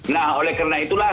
nah oleh karena itulah